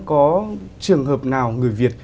có trường hợp nào người việt